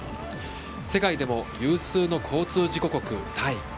世界でも有数の交通事故国、タイ。